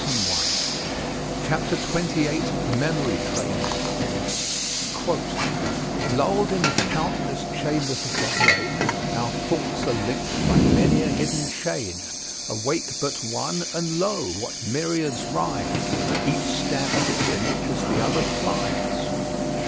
Hart.] CHAPTER XXVIII MEMORY TRAINING Lulled in the countless chambers of the brain, Our thoughts are linked by many a hidden chain; Awake but one, and lo! what myriads rise! Each stamps its image as the other flies!